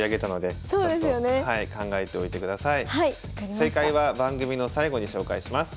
正解は番組の最後に紹介します。